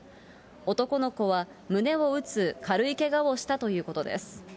男の子は胸を打つ軽いけがをしたということです。